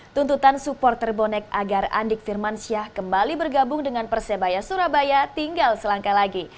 tuntutan supporter bonek agar andik firmansyah kembali bergabung dengan persebaya surabaya tinggal selangkah lagi